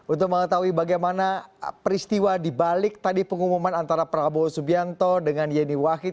untuk mengetahui bagaimana peristiwa dibalik tadi pengumuman antara prabowo subianto dengan yeni wahid